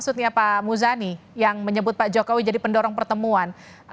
seperti yang tadi itu ya pak jokowi yang menyebut pak jokowi jadi pendorong pertemuan